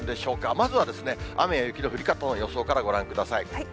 まずは雨や雪の降り方の予想からご覧ください。